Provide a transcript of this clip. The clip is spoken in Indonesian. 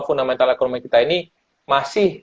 fundamental ekonomi kita ini masih